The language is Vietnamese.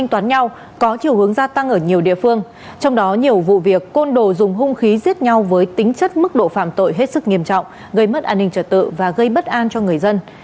trong vụ việc côn đồ dùng hung khí giết nhau với tính chất mức độ phạm tội hết sức nghiêm trọng gây mất an ninh trật tự và gây bất an cho người dân